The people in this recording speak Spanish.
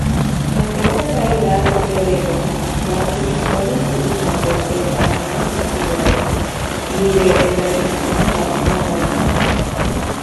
En esa calidad integró las Comisiones Permanentes de Relaciones Exteriores y de Integración Latinoamericana.